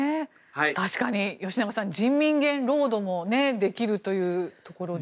吉永さん、人民元労働もできるということで。